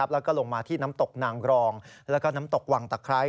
แล้วก็ลงมาที่น้ำตกนางกรองแล้วก็น้ำตกวังตะไคร้